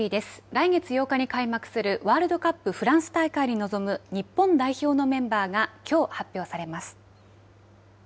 来月８日に開幕するワールドカップフランス大会に臨む日本代表のメンバーがきょう発表されます。